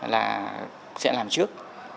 là sẽ làm trước